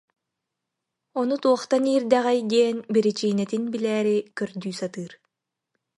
Ону туохтан иирдэҕэй диэн биричиинэтин билээри көрдүү сатыыр